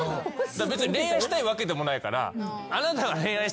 別に恋愛したいわけでもないから。